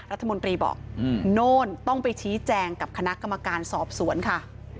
รัฐมนตรีบอกโน่นต้องไปชี้แจงกับคณะกรรมการสอบสวนค่ะ